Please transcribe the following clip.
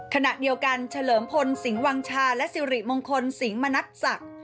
ขณะเดียวกันเฉลิมพลสิงหวังชาและสิริมงคลสิงห์มณัฐศักดิ์